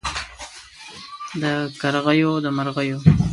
د کرغیو د مرغیو